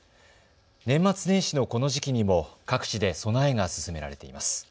年末年始のこの時期にも各地で備えが進められています。